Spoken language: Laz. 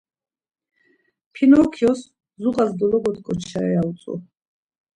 Pinokyos zuğas dologot̆ǩoçare ya utzu.